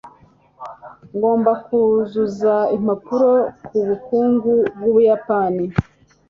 Ngomba kuzuza impapuro ku bukungu bw'Ubuyapani.